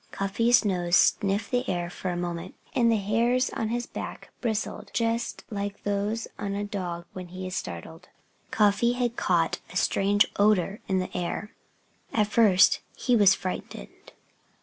Cuffy's nose sniffed the air for a moment, and the hairs on his back bristled just like those on a dog when he is startled. Cuffy had caught a strange odor in the air. At first he was frightened.